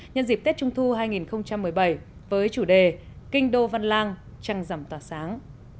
nhân dịp tết trung thu hai nghìn một mươi bảy với chủ đề kinh đô văn lang trăng rằm tỏa sáng